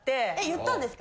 言ったんですか？